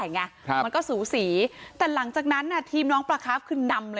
นี่ครับตัวที่ห้าของเรา